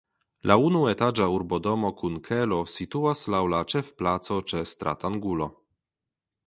La unuetaĝa urbodomo kun kelo situas laŭ la ĉefplaco ĉe stratangulo.